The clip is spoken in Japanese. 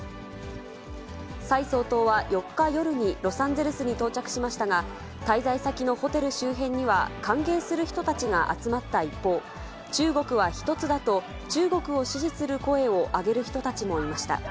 蔡総統は４日夜にロサンゼルスに到着しましたが、滞在先のホテル周辺には、歓迎する人たちが集まった一方、中国は一つだと、中国を支持する声を上げる人たちもいました。